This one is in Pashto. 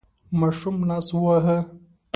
ماشوم لاس وواهه.